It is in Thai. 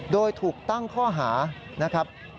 โดยถูกตั้งข้อหา